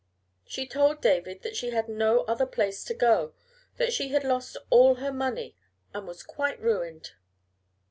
She told David she had no other place to go; that she had lost all of her money and was quite ruined.